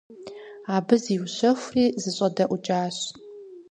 Абы зиущэхури зэщӀэдэӀукӀащ.